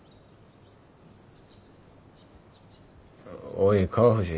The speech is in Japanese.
おい川藤